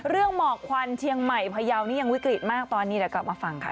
เรื่องเหมาะควันเทียงใหม่พะยาวนี่ยังวิกฤตมากตอนนี้แต่กลับมาฟังค่ะ